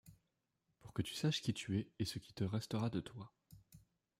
Pour que tu saches qui tu es et ce qui te restera de toi.